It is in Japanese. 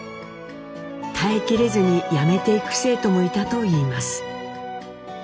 耐えきれずに辞めていく生徒もいたといいます。